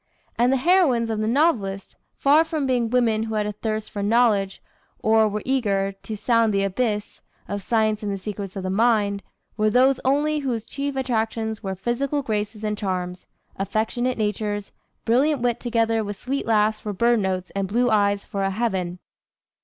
And the heroines of the novelist, far from being women who had a thirst for knowledge, or were eager "To sound the abyss Of science and the secrets of the mind," were those only whose chief attractions were physical graces and charms, affectionate natures, brilliant wit together with "sweet laughs for bird notes and blue eyes for a heaven."